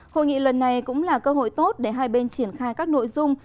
hội nghị lần này cũng là cơ hội tốt để hai bên triển khai các nội dung